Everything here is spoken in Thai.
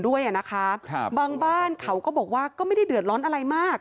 ด้วยอ่ะนะคะครับบางบ้านเขาก็บอกว่าก็ไม่ได้เดือดร้อนอะไรมาก